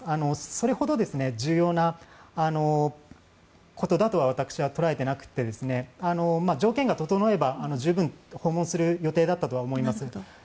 それほど重要なことだと私は捉えていなくて条件が整えば十分訪問する予定だったとは思います。